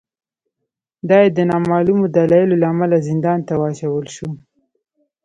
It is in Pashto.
دای د نامعلومو دلایلو له امله زندان ته واچول شو.